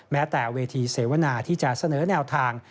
แม้แต่เวทีเสวนาที่จะเสนอแนวทาง